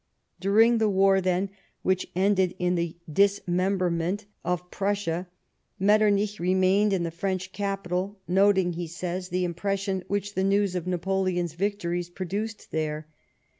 During the war, then, which ended in the dismemberment of 22 LIFE OF PBINCE METTEBNICE. Prussia, Metternicli remained in the French capital, noting, he says, the impression which the news of Napoleon's victories produced there.